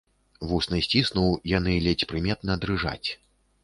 Вусны сціснуў, яны ледзь прыметна дрыжаць.